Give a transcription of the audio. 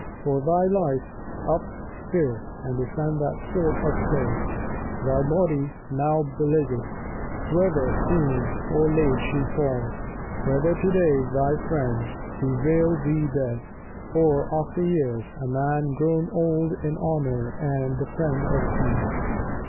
For thy life, Up, spirit, and defend that fort of clay, Thy body, now beleaguered; whether soon Or late she fall; whether to day thy friends Bewail thee dead, or, after years, a man Grown old in honour and the friend of peace.